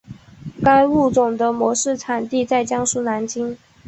该物种的模式产地在江苏南京。